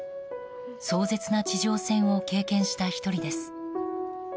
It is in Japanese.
壮絶な地上戦を経験した１人です。